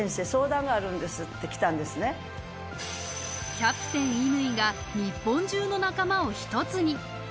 キャプテン・乾が日本中の仲間を一つに。